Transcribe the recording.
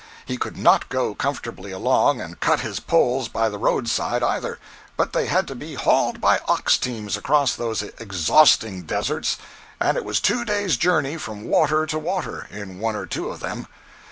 He could not go comfortably along and cut his poles by the road side, either, but they had to be hauled by ox teams across those exhausting deserts—and it was two days' journey from water to water, in one or two of them.